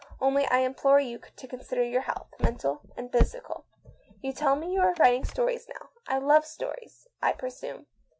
Only I implore you to consider your health, mental and physical. You tell me you are writing stories now — love stories, I pre sume.